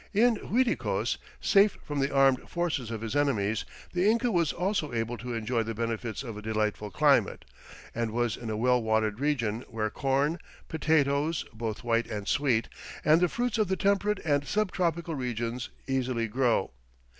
In Uiticos, safe from the armed forces of his enemies, the Inca was also able to enjoy the benefits of a delightful climate, and was in a well watered region where corn, potatoes, both white and sweet, and the fruits of the temperate and sub tropical regions easily grow.